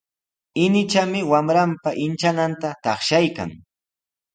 Inichami wamranpa inchananta taqshaykan.